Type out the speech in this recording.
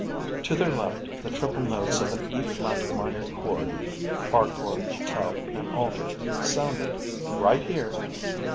_ To their left the triple notes of an E flat minor chord (Arkor, Tel, and Alter) sounded: _Right here.